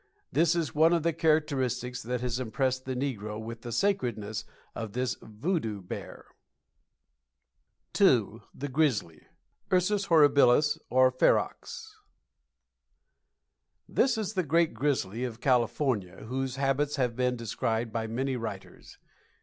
This is one of the characteristics that has impressed the negro with the sacredness of this "Voodoo Bear." II. THE GRIZZLY. Ursus Horribilis or Ferox. This is the great grizzly of California, whose habits have been described by many writers.